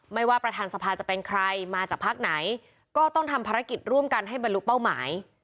ว่าประธานสภาจะเป็นใครมาจากพักไหนก็ต้องทำภารกิจร่วมกันให้บรรลุเป้าหมาย